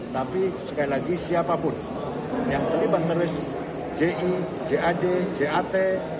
tapi sekali lagi siapapun yang terlibat terus ji jad jat